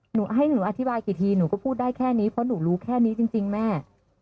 หนูให้หนูอธิบายกี่ทีหนูก็พูดได้แค่นี้เพราะหนูรู้แค่นี้จริงแม่